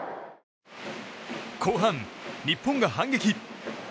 後半、日本が反撃。